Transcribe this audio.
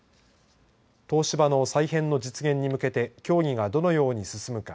東芝の再編の実現に向けて協議が、どのように進むか